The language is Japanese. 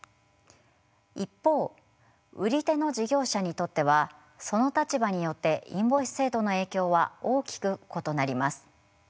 一方売り手の事業者にとってはその立場によってインボイス制度の影響は大きく異なります。